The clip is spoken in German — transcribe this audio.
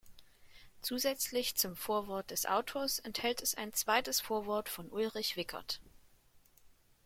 Zusätzlich zum Vorwort des Autors enthält es ein zweites Vorwort von Ulrich Wickert.